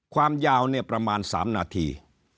ความยาวประมาณ๓นาที